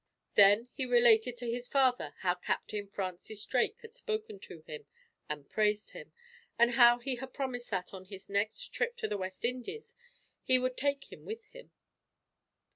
Then he related to his father how Captain Francis Drake had spoken to him, and praised him, and how he had promised that, on his next trip to the West Indies, he would take him with him.